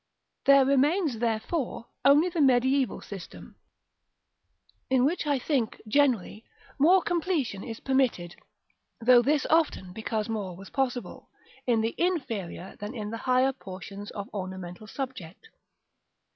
§ IX. There remains, therefore, only the mediæval system, in which I think, generally, more completion is permitted (though this often because more was possible) in the inferior than in the higher portions of ornamental subject.